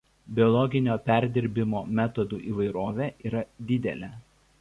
Biologinio perdirbimo metodų įvairovė yra didelė.